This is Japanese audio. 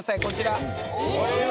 こちら。